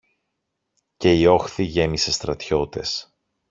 Και η όχθη γέμισε στρατιώτες.